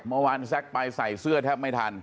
เมื่อวานแซ็กไปใส่เสื้อแทบไม่ทัน